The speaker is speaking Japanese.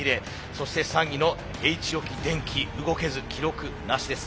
そして３位のＨ置電機動けず記録なしです。